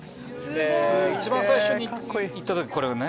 すごい！一番最初に行った時これをね。